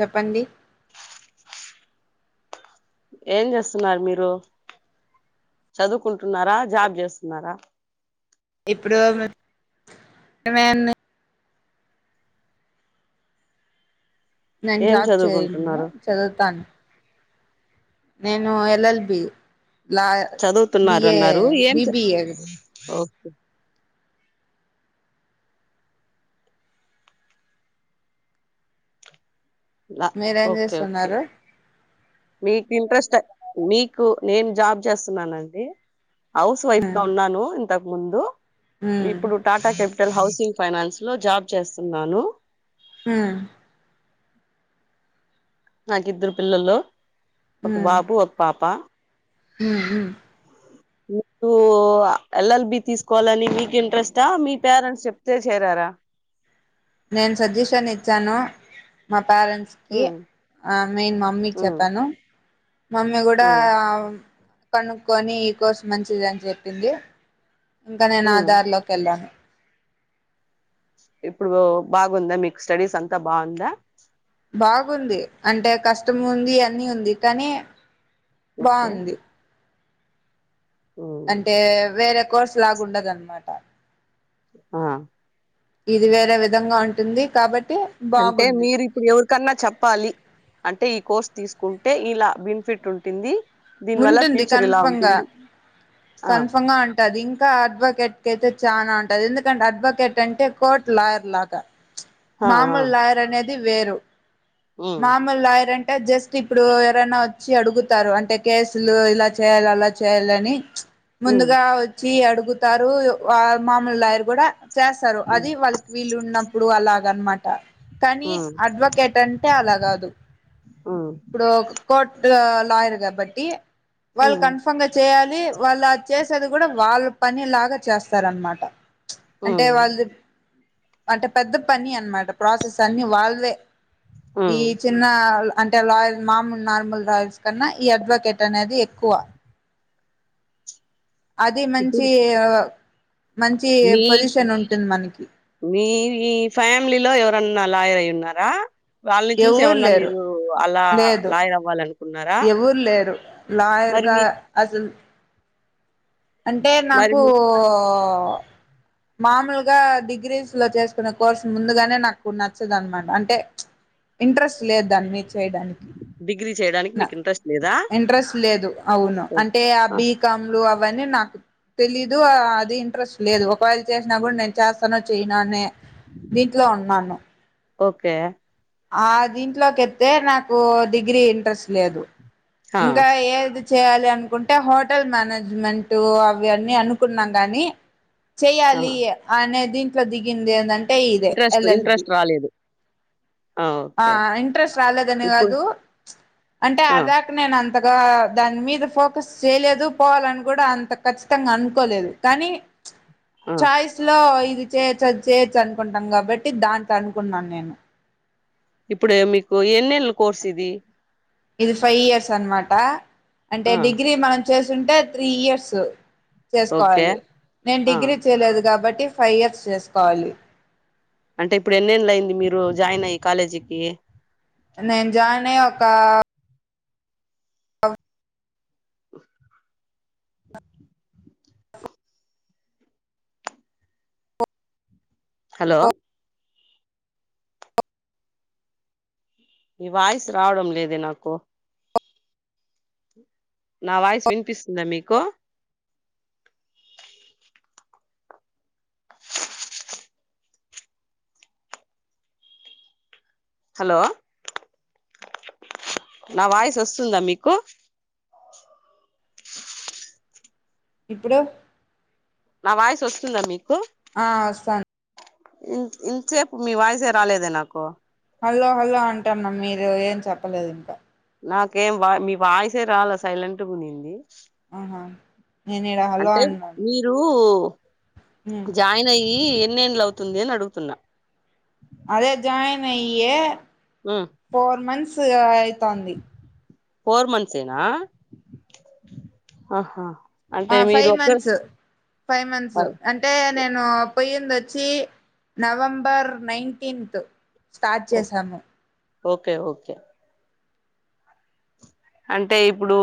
చెప్పండి ఏం చేస్తున్నారు మీరు చదువుకుంటున్నారా జాబ్ చేస్తున్నారా ఇప్పుడు మేన్ నే ఏం జాబ్ చేయను చదువుకుంటున్నారు చదువుతాను నేను ఎల్ఎల్బి లా బిఏ చదువుతున్నారన్నారు ఏం చ బిబిఏ ఓకే ల మీరేం ఓకే ఓకే చేస్తున్నారు మీకు ఇంట్రెస్ట్ మీకు నేను జాబ్ చేస్తున్నానండి హౌస్ వైఫ్ గా ఉమ్ ఉన్నాను ఇంతకు ముందు ఉమ్ ఇప్పుడు Tata capital housing finance లో జాబ్ చేస్తున్నాను ఊ నాకిద్దరు పిల్లల్లో ఒక బాబు ఒక పాప ఊ ఊ మీరు ఎల్ఎల్బి తీసుకోవాలని మీకు ఇంట్రెస్టా మీ పేరెంట్స్ చెప్తే చేరారా నేను సజెషన్ ఇచ్చాను మా పేరెంట్స్ కి ఉమ్ ఆ మేయిన్ మమ్మీకి ఉమ్ చెప్పాను మమ్మీ కూడా ఉమ్ కనుక్కొని ఈ కోసం మంచిది అని చెప్పింది ఇంకా నేను ఉమ్ ఆధార్ లోకి వెళ్ళను ఇప్పుడు బాగుందా మీకు స్టడీస్ అంతా బాగుందా బాగుంది అంటే కష్టం ఉంది అన్నిీ ఉంది కానీ ఓకే బాంది ఉమ్ అంటే వేరే కోర్స్ లాగాండదున్నమాట ఆ ఇది వేరే విధంగా ఉంటుంది కాబట్టి అంటే బాగుంది మీరు ఇప్పుడు ఎవర్ కన్నా చెప్పాలి అంటే ఈ కోర్స్ తీసుకుంటే ఇలా బెనిఫిట్ ఉంటుంది దీని వల్ల ఉంటుంది ఫ్యూచర్ ఇలా కన్ఫమ్ గా ఉంటుంది ఆ కన్ఫమ్ గా ఉంటుంది ఇంకా అడ్వాకెట్కియితే చాలనా ఉంటది ఎందుకంటే అడ్వకేట్ అంటే కోర్ట్ లాయర్ లాగా ఆ ఆ మామూలు లాయర్ అనేది వేరు ఉమ్ మామలాయర్ అంటే జస్ట్ ఇప్పుడు ఎవరైనా వచ్చి అడుగుతారు అంటే కేసులు ఇలా చేయాలి అలా చేయాల అని ఉమ్ ముందుగా వచ్చి అడుగుతారు మామలుయారు కూడా చేస్తారు ఉమ్ అది వాళ్ళకి వీళ్ళు ఉన్నప్పుడు అలాగ అనమాట కానీ ఉమ్ అడ్వకేట్ అం అ అలా కాదు ఉమ్ ఇప్పుడు కోర్ట్ లాయర్ కాబట్టి వాళ్ళు ఉమ్ కన్ఫామ్ గా చేయాలి వాళ్ళుది చేసేది కూడా వాళ్ళ పని లాగా చేస్తారనమాట అంటే ఉమ్ వాళ్ళు అంటే పెద్ద పని అనమాట ప్రాసెస్ అన్ని వాళ్ళవే ఈ ఉమ్. చిన్న లా అంటే లాయల్ మామూలు నార్మల్ లాయర్స్ కన్నా ఈ అడ్వకేట్ అనేది ఎక్కువ అది ఇప్పుడు మంచి మంచి మీ పొజిషన్ ఉంటుంది మనకి మీ ఫ్యామిలీ లో ఎవరన్నా లాయర్ అయి ఉన్నారా వాళ్ళని చూసి ఎవరు ఏమన్నా లేరు మీరు అలా లేదు లాయర్ అవ్వాలనుకున్నారా మరి దర్గా మీ అసలు అంటే మరి నాకూ మీ మామూలుగా డిగ్రీస్ లో చేసుకునే కోర్సు ముందుగానే నాకు నచ్చదు అనమాట అంటే ఇంట్రెస్ట్ లేదు దాని మీద చేయడానికి డిగ్రీ చేయడానికి మీకు నాకు ఇంట్రెస్ట్ లేదా ఇంట్రెస్ట్ లేదు అవును అంటే ఆ బీకామ్లు అవన్నీ నాకు తెలీదు అది ఇంట్రెస్ట్ లేదు ఒకవేళ చేసినా కూడా నేను చేస్తానో చేయనా అనే దీంట్లో ఉన్నాను ఓకే ఆ దీంట్లోకి ఎత్తే నాకు డిగ్రీ ఇంట్రెస్ట్ లేదు ఆ ఇంకా ఏది చేయాలి అనుకుంటే హోటల్ మేనేజ్మెంట్ అవి అవన్నీ అనుకున్నాం గాని ఆ. చెయ్యాలి అనే దీంట్లో దిగింది ఏంటంటే ఇదే ఇంట్రెస్ట్ ఎల్ఎల్ఎల్బి ఇంట్రెస్ట్ రాలేదు ఆ ఓకే ఓకే ఇంట్రెస్ట్ రాలేదనే ఇప్పుడు కాదు అంటే ఆ ఆడిదాకా నేను అంత అంతగా దాని మీద ఫోకస్ చేయలేదు పోవాలని కూడా అంత ఖచ్చితంగా అనుకోలేదు కానీ ప్చ్ ఆ చాయిస్ లో అది చేయ అది చేయొచ్చు అనుకుంటాం కాబట్టి దాంతో అనుకున్నాను నేను ఇప్పుడు మీకు ఎన్నేళ్ల కోర్స్ ఇది ఇది ఫైవ్ ఇయర్స్ అనమాట అంటే ఆ డిగ్రీ మనం చేస్తుంటే త్రీ ఇయర్స్ ఓకే చేసుకోవాలి నేను ఆ డిగ్రీ చేయలేదు కాబట్టి సర్టిఫై ఫైవ్ ఇయర్స్ చేసుకోవాలి అంటే ఇప్పుడు ఎన్నెళ్ళయ్యింది మీరు జాయిన్ అయ్యి కాలేజీకి నేను జాయిన్ అయ్యి ఒక ఆ [inaudible] హలో ఈ వాయిస్ రావడం లేదే నాకు నా వాయిస్ వినిపిస్తుందా మీకు [inaudible] హలో నా వాయిస్ వస్తుందా మీకు ఇప్పుడు నా వాయిస్ వస్తుందా మీకు ఆ వస్తాంది ఇ ఇంతసేపు మీ వాయసే రాలేదే నాకు హలో హలో అంటన్న మీరు ఏం చెప్పలేదు ఇంకా నాకేం వా మీ వాయిసే రాలా సైలెంట్గా ఉన్నింది ఆహా నేను ఈడ హలో అంటే అన్నాను మీరు ఉమ్ జాయిన్ అయ్యి ఎన్నేళ్లవుతుంది అని అడుగుతున్నా అదే జాయిన్ అయ్యే ఉమ్ ఫోర్ మంత్స్ అయితాంది ఫోర్ మంత్స్ ఏనా ఆహా ఆ అంటే మీరు ఫైవ్ ఒక్కరు మంత్స్ ఫైవ్ మంత్స్ అంటే నేను పోయ్యంది వచ్చి నవంబర్ నైన్టీన్త్ స్టార్ట్ చేసాము ఓకే ఓకే అంటే ఇప్పుడు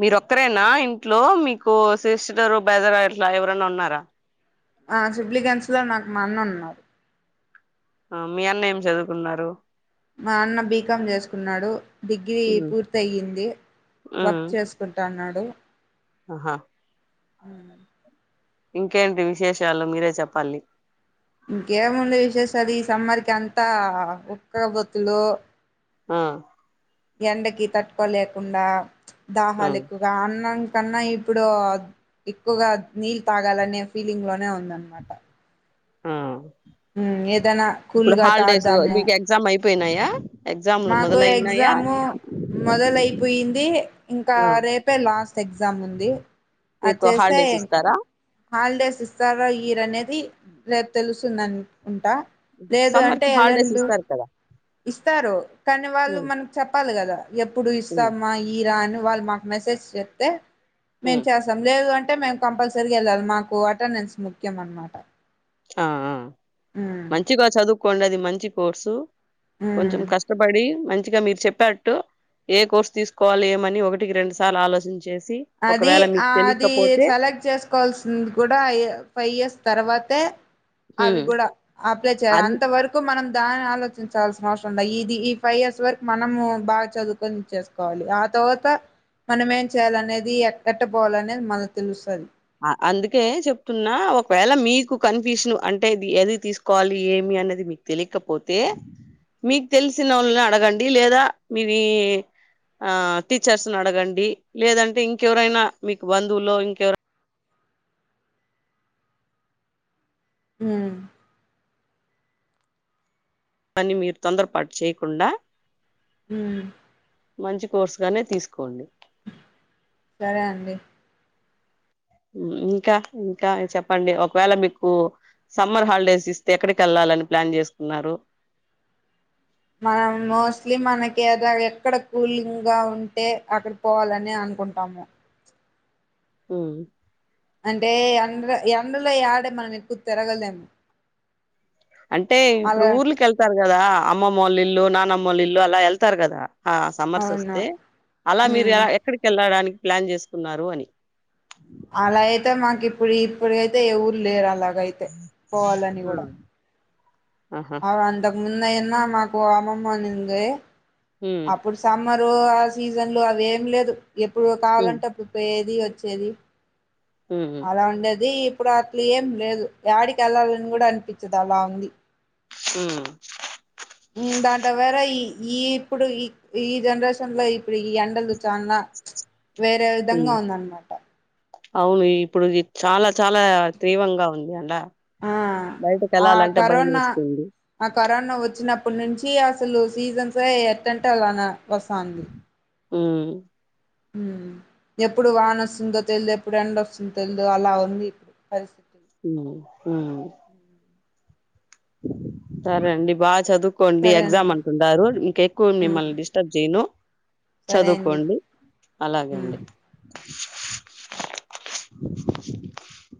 మీర ఒక్కరేనా ఇంట్లో మీకు సిస్టరు బెదర్ ఇట్లా ఎవరనా ఉన్నారా ఆ సిుబ్లిగంస్లో నాకు మ అన్న ఉన్నారు మీ అన్న ఏం చదువుకున్నారు మా అన్న బీకాం చేసుకున్నాడు డిగ్రీ ఉమ్ పూర్తి అయ్యింది ఉమ్ వర్క్ చేసుకుంటాన్నాడు ఆహా హ్మ్ ఇంకేంటి విశేషల్లో మీరే చెప్పాలి ఇంకేముండ విశేషాలు ఈ సమ్మర్కి అంతా ఉక్క బొత్తులు ఆ ఎండకి తట్టుకోలేకుండా ఆ దాహాలు ఎక్కువగా అన్నం కన్నా ఇప్పుడు ఎక్కువగా నీళ్ళు తాగాలనే ఫీలింగ్ లోనే ఉందనమాట ఆ ఉమ్ ఏదైనా ఇప్పుడు కూల్గా హాలిడేస్ తాగుదాము మీకు ఎగ్జామ్ అయిపోయినాయా ఎగ్జామ్లు మాకు మొదలైనాయా ఎగ్జాము మొదలయిపోయింది ఇంకా ఆ రేపే లాస్ట్ ఎగ్జా ఎగ్జామ్ ఉంది మీకు అచ్చేస్తే హాలిడేస్ ఇంకా ఇస్తారా హాలిడేస్ ఇస్తారా ఈరు అనేది రేపు తెలుస్తుంది అంటా లేదు సమ్మర్ అంటే కి హాలిడేస్ ఎల్లండు ఇస్తారు కదా ఇస్తారు కానీ వాళ్ళు ఉమ్ మనకు చెప్పాలి కదా ఎప్పుడు హ్మ్. ఇస్తామా ఈరా వాళ్ళు మాకు మెసేజ్ చెప్తే మేము హ్మ్. చేస్తాం లేదు అంటే అంటే మేము కంపల్సరీ వెళ్ళాలి మాకు అటెండెన్స్ ముఖ్యం అనమాట ఆ ఆ ఉమ్ మంచిగా చదువుకోండి అది మంచి కోర్సు ఉమ్ కొంచం కష్టపడి మంచి మీరు చెప్పేట్టు ఏ కోర్సు తీసుకోవాలి ఏమని ఒకటి రెండు సార్లు ఆలోచించ అది అది సెలెక్ట్ చేసుకోవాల్సింది కూడా ఫైవ్ ఇయర్స్ తర్వాతే అవి హ్మ్. కూడా అప్లై చేయాలి అన్ అంత వరకు మనం దాని ఆలోచించాల్సిన అవసరం ఇది ఈ ఫైవ్ ఇయర్స్ వరకు మనము బాగా చదువుకొని చేసుకోవాలి తర్వాత మనం ఏం చేయాలి అనేది ఎక్కట్ట పోవాలినేది మనకు తెలుస్తది అ అందుకే చెప్తున్నా ఒకవేళ మీకు కన్ఫ్యూషన్ అంటేది ఎది తీసుకోవాలి ఏమి అన్నది మీకు తెలియకపోతే మీకు తెలిసిన వాళ్ళని అడగండి లేదా మీది ఆ టీచర్స్ ని అడగండి లేదంటే ఇంకెవరైనా మీకు బంధువుల్లో ఇంకెవర హ్మ్ అవని మీరు తొందరపాటు చేయకుండా హ్మ్ మంచి కోర్సుగానే తీసుకోండి సరే అండి ఇంకా ఇంకా చెప్పండి ఒకవేళ మీకు సమ్మర్ హాలిడేస్ ఇస్తే ఎక్కడికి వెళ్ళాలని ప్లాన్ చేసుకున్నారు మనం మోస్ట్లీ మనకి ఏదో ఎక్కడ కూలింగ్ గా ఉంటే అక్కడ పోవాలని అను అనుకుంటాము హ్మ్ అంటే ఎండ్ర ఎండ్రలో ఆడే మనం ఎక్కు తిరగలేము అంటే ఇప్పుడు అలా ఊర్లక వెళ్తారు కదా అమ్మమ్మ వాళ్ళ ఇల్లు నానమ్మ వాళ్ళ ఇల్లు అలా వెళ్తారు కదా ఆ సమ్మర్స్ అవును వస్తే అలా మీరు ఉమ్ ఎలా ఎక్కడికి వెళ్ళడానికి ప్లాన్ చేసుకున్నారు అని అలా అయితే మాకు ఇప్పుడు ఇప్పుడు అయితే ఎవురు లేరు అలా హ్మ్ అ అంతకు మున్న ఎన్న మాకు అమమ్మ ఉన్నింది ఉమ్, అప్పుడు సమ మరో ఆ సీజన్ లో అవి ఏం లేదు ఎప్పుడు ఉమ్, కావాలంటే అప్పుడు పోయేది వచ్చేది ఉమ్, అలా ఉండేది అప్పుడు అట్లు ఏం లేదు డికి వెళ్లాలని కూడా అనిపించదు అలా ఉంది హ దాంటవేర ఈ ఈ ఇప్పుడు ఈ ఈ జెనరేషన్ లో ఇప్పుడు ఈ ఎండలు వ చా [inaudible] వేరే విధంగా ఉమ్. ఉందన్నమాట అవును ఇప్పుడు చాలా చాలా తీవ్రంగా ఉంది అంట ఆ ఆ కరోనా వేస్తుంది ఆ కరోనా వచ్చినడు అప్పటి నుంచి అసలు సీజన్స్ ఎట్టంటే అలా వస్తంది ఉమ్మ్ ఎప్పుడు వాన్ వస్తుందో తెలిదు ఎప్పుడు ఎండొస్తుందో తెలుదో అలా ఉంది ఇప్పుడు పరిస్థితి హ్మ్ హ్మ్ సరే అండి బాగా చదువు కోండి సరే ఎగ్జామ్ అండి అంటుంటారు ఇంకెక్కువ ఉమ్ మిమ్మల్ని డిస్టర్బ్ చేయను సరే అండి చదువుకోండి ఉమ్ అలాగేండి [unintelligible]